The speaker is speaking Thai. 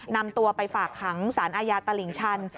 นำตัวไปฝากขังสารอาญาตลิ่งชัน